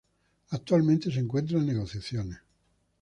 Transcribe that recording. Actualmente se encuentra en negociaciones.